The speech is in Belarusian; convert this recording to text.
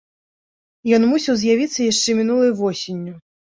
Ён мусіў з'явіцца яшчэ мінулай восенню.